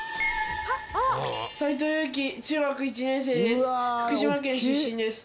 齋藤勇気中学１年生です。